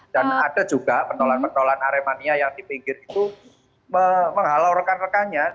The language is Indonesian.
dan ada juga penolong penolong aremania yang di pinggir itu menghalau rekan rekannya